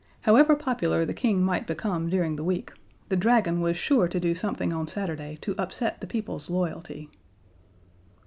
However popular the King might become during the week, the Dragon was sure to do something on Saturday to upset the people's loyalty.